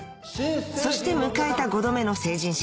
そして迎えた５度目の成人式